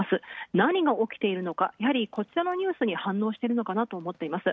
なにが起きているのか、やはり、こちらのニュースに反応していると思います。